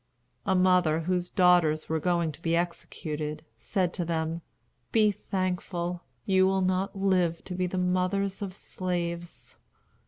A mother, whose daughters were going to be executed, said to them: "Be thankful. You will not live to be the mothers of slaves."